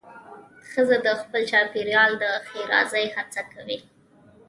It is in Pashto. ښځه د خپل چاپېریال د ښېرازۍ هڅه کوي.